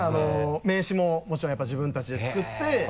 名刺ももちろんやっぱり自分たちで作って。